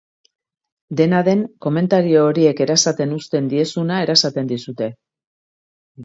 Dena den, komentario horiek erasaten uzten diezuna erasaten dizute.